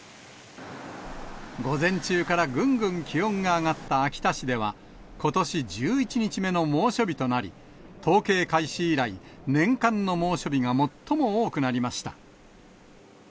午前中からぐんぐん気温が上がった秋田市では、ことし１１日目の猛暑日となり、統計開始以来、年間の猛暑日が最も多くなりました。